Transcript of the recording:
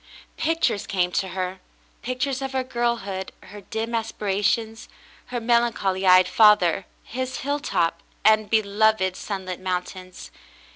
Pictures came to her — pictures of her girlhood — her dim aspirations — her melancholy eyed father — his hilltop — and beloved, sunlit mountains.